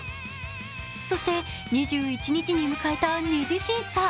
そして、２１日に迎えた２次審査。